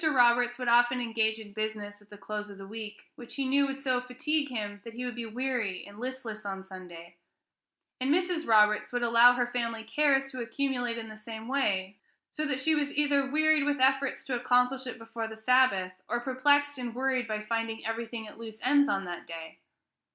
Roberts would often engage in business at the close of the week, which he knew would so fatigue him that he would be weary and listless on Sunday; and Mrs. Roberts would allow her family cares to accumulate in the same way, so that she was either wearied with efforts to accomplish it before the Sabbath, or perplexed and worried by finding everything at loose ends on that day.